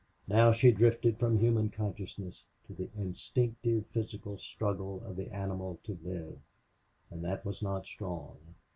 Now she drifted from human consciousness to the instinctive physical struggle of the animal to live, and that was not strong.